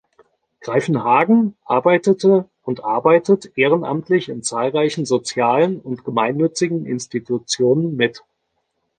Greiffenhagen arbeitete und arbeitet ehrenamtlich in zahlreichen sozialen und gemeinnützigen Institutionen mit.